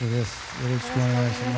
よろしくお願いします。